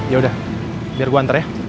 yaudah biar gue nganter ya